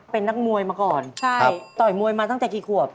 เป็นนักมวยมาก่อนใช่ต่อยมวยมาตั้งแต่กี่ขวบ